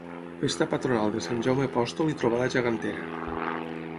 Festa patronal de Sant Jaume Apòstol i trobada gegantera.